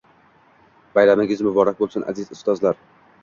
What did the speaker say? Bayramingiz muborak bo‘lsin, aziz ustozlar!